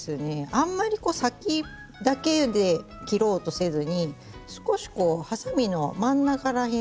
あんまり先だけで切ろうとせずに少しこうはさみの真ん中らへんというか。